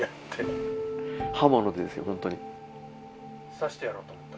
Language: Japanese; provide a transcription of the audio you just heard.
刺してやろうと思った？